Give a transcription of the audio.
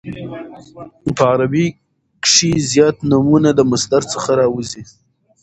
په عربي کښي زیات نومونه د مصدر څخه راوځي.